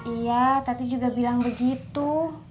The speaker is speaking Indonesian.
iya tadi juga bilang begitu